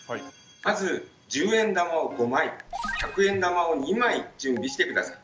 まず１０円玉を５枚１００円玉を２枚準備して下さい。